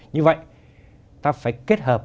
như vậy ta phải kết hợp